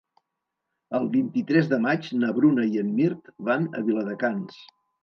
El vint-i-tres de maig na Bruna i en Mirt van a Viladecans.